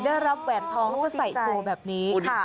ได้รับแหวนท้องเขาก็ใส่โทรแบบนี้